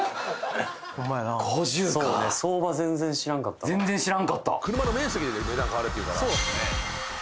そうね相場全然知らんかった車の面積で値段変わるっていうからそうですね